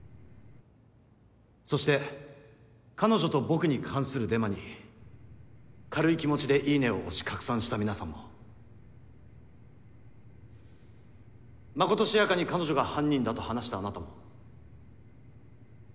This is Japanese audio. そして彼女と僕に関するデマに軽い気持ちで「いいね」を押し拡散した皆さんもまことしやかに彼女が犯人だと話したあなたも。